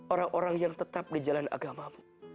orang orang yang tetap di jalan agamamu